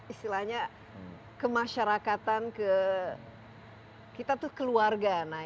istilahnya kemasyarakatan kita itu keluarga